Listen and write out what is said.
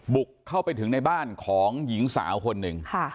บุกเข้าไปถึงในบ้านของหญิงสาวคนหนึ่ง